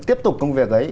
tiếp tục công việc ấy